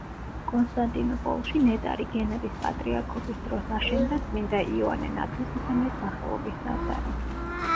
კონსტანტინოპოლში ნეტარი გენადის პატრიარქობის დროს აშენდა წმიდა იოანე ნათლისმცემლის სახელობის ტაძარი.